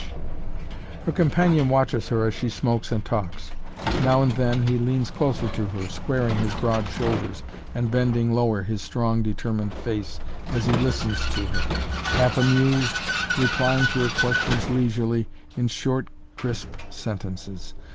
[Illustration: ALONG THE SEINE] Her companion watches her as she smokes and talks now and then he leans closer to her, squaring his broad shoulders and bending lower his strong, determined face, as he listens to her, half amused, replying to her questions leisurely, in short, crisp sentences.